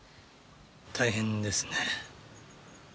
大変ですね。